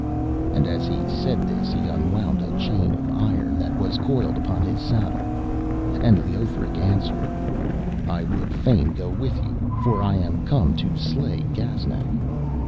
And as he said this he unwound a chain of iron that was coiled upon his saddle, and Leothric answered: 'I would fain go with you, for I am come to slay Gaznak.'